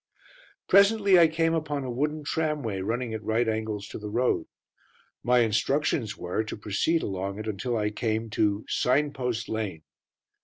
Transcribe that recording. Presently I came upon a wooden tramway running at right angles to the road. My instructions were to proceed along it until I came to "Signpost Lane."